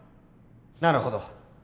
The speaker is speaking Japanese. なるほど。